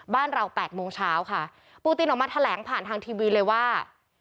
บ้านเรา๘โมงเช้าค่ะปูตินออกมาแถลงผ่านทางทีวีเลยว่า